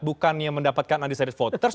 bukannya mendapatkan undecided voters